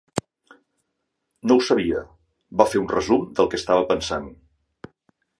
No ho sabia, va fer un resum del que estava pensant.